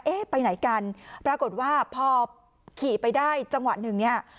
ไปไหนกันปรากฏว่าพอขี่ไปได้จังหวะหนึ่งเนี่ย